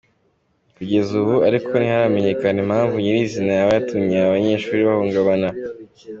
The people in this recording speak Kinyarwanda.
Kugeza ubu ariko ntiharamenyekana impamvu nyirizina yaba yatumye aba banyeshuri bahungabana.